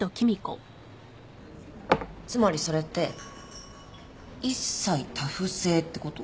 つまりそれって一妻多夫制ってこと？